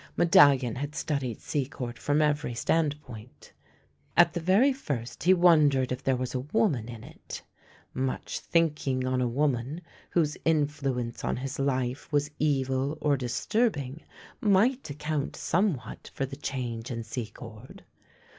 Medalhon had studied Secord from every standpoint. At the very first he wondered if there was a woman in it. Much thinking on a woman, whose influence on his hfe was evil or disturbing, might account some what for the change in Secord.